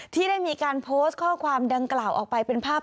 ที่ได้มีการโพสต์ข้อความดังกล่าวออกไปเป็นภาพ